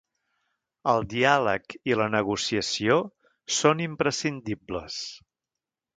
El diàleg i la negociació són imprescindibles.